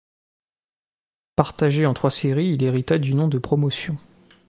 Partagé en trois séries, il hérita du nom de Promotion.